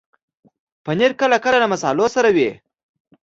پنېر کله کله له مصالحو سره وي.